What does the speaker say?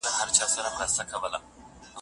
لکه سپینه پاتې شوې فاصله غوندې په اور وسوزېد.